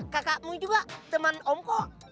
kakakmu juga teman om kok